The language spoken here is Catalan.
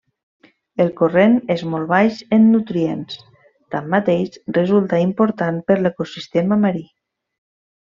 El corrent és molt baix en nutrients, tanmateix, resulta important per l'ecosistema marí.